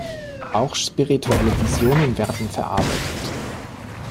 Auch spirituelle Visionen werden verarbeitet.